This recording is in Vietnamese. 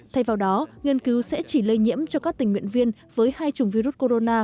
thay vào đó nghiên cứu sẽ chỉ lây nhiễm cho các tình nguyện viên với hai chủng virus corona